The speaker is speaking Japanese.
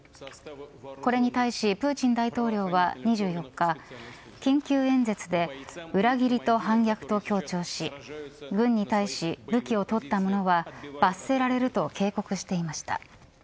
これに対しプーチン大統領は２４日緊急演説で裏切りと反逆と強調し軍に対し武器を取ったものは罰せられると警告していました。